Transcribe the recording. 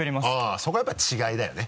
そこはやっぱり違いだよね